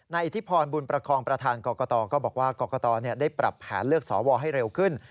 อิทธิพรบุญประคองประธานกรกตก็บอกว่ากรกตได้ปรับแผนเลือกสวให้เร็วขึ้น